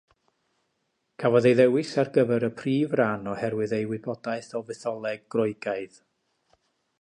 Cafodd ei ddewis ar gyfer y prif ran oherwydd ei wybodaeth o Fytholeg Groegaidd.